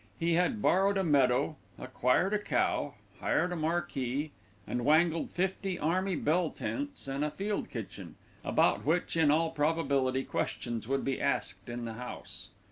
He had borrowed a meadow, acquired a cow, hired a marquee, and wangled fifty army bell tents and a field kitchen, about which in all probability questions would be asked in the House.